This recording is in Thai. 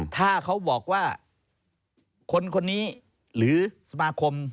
ถ้าเขาบอกว่าคนคนนี้หรือสมาคม